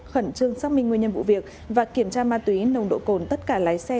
khẩn trương xác minh nguyên nhân vụ việc và kiểm tra ma túy nồng độ cồn tất cả lái xe